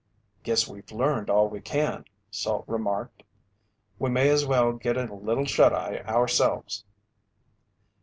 "Guess we've learned all we can," Salt remarked. "We may as well get a little shut eye ourselves."